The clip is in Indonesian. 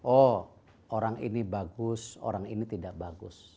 oh orang ini bagus orang ini tidak bagus